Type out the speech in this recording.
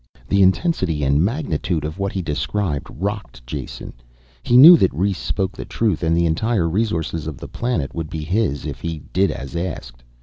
The intensity and magnitude of what he described rocked Jason. He knew that Rhes spoke the truth and the entire resources of the planet would be his, if he did as asked.